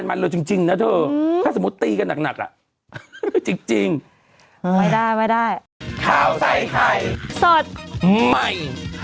โปรดติดตามตอนต่อไป